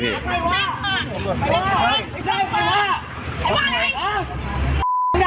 พี่ดาวภูมิเหรอ